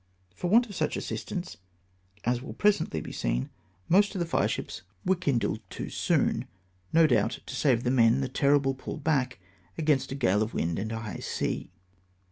For want of such assistance, as will presently be seen, most of the fireships were Idndled THE ATTACK. 377 too soon, no doubt to save the men the terrible pull back, against a gale of wind and a high sea.